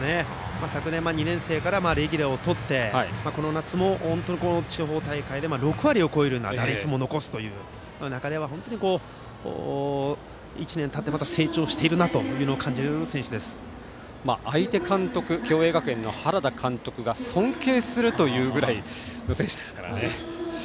昨年は２年生からレギュラーをとってこの夏の地方大会で６割を超える打率も残すという中で１年たって、また成長しているなというのを感じる共栄学園の原田監督が尊敬するというぐらいの選手です。